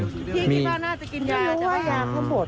พี่กินบ้านน่าจะกินยา